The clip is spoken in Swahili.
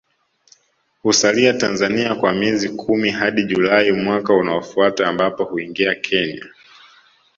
Husalia Tanzania kwa miezi kumi hadi Julai mwaka unaofuata ambapo huingia Kenya